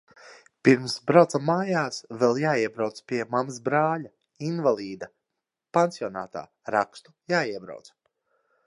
Pirms braucam mājās vēl jāiebrauc pie mammas brāļa – invalīda – pansionātā. Rakstu jāiebrauc.